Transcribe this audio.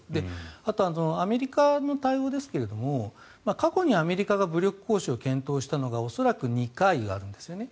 あとアメリカの対応ですが過去にアメリカが武力行使を検討したのが恐らく２回あるんですよね。